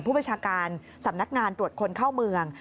ผู้บัญชาการสำนักงานตรวจคนเข้าเมือง